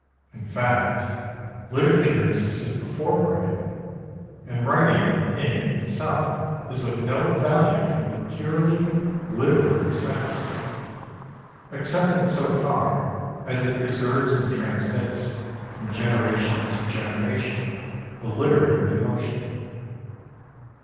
In fact, literature existed before writing; and writing in itself is of no value from the purely literary sense, except in so far as it preserves and transmits from generation to generation the literary emotion.